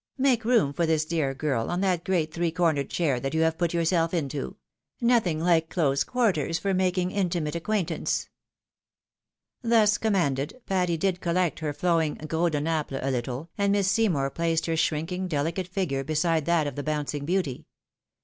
make room for this dear girl on that great three cornered chair that you have put yourself into — nothing like close quar ters for making intimate acquaintance." Thus commanded, Patty did collect her flowing gros de Naples a httle, and Miss Seymour placed her shrinking, delicate figure beside that of the bouncing beauty.